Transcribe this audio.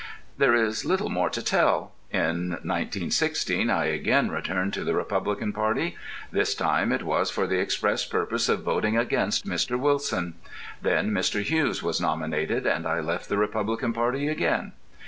There is little more to tell. In 1916 I again returned to the Republican party. This time it was for the express purpose of voting against Mr. Wilson. Then Mr. Hughes was nominated, and I left the Republican party again.